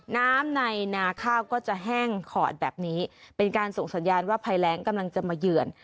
น้ำในนาข้าวก็จะแห้งขอดแบบนี้เป็นการส่งสัญญาณว่าภัยแรงกำลังจะมาเยือน